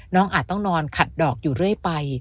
อาจต้องนอนขัดดอกอยู่เรื่อยไป